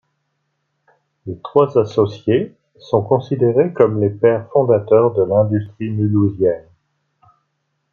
Les trois associés sont considérés comme les pères fondateurs de l'industrie mulhousienne.